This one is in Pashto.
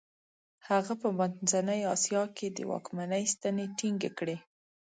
هغه په منځنۍ اسیا کې د واکمنۍ ستنې ټینګې کړې.